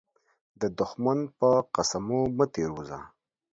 د دښمن په قسمو مه تير وزه.